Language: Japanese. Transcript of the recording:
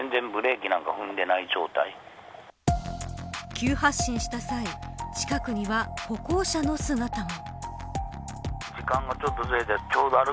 急発進した際近くには歩行者の姿も。